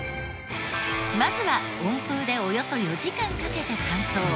まずは温風でおよそ４時間かけて乾燥。